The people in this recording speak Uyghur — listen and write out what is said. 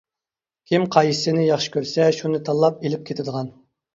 كىم قايسىنى ياخشى كۆرسە شۇنى تاللاپ ئېلىپ كېتىدىغان.